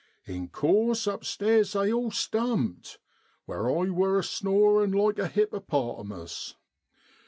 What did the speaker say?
In course upstairs they all stumped, where I wor a snorin' like a hipperpotamus.